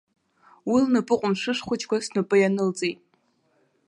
Уи лнапы ҟәымшәышә хәыҷқәа снапы инанылҵеит.